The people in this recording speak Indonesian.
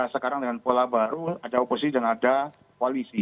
sekarang dengan pola baru ada oposisi dan ada koalisi